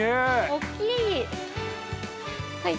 ◆大きい。